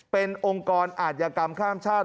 เป็นองค์กรอาธิกรรมข้ามชาติ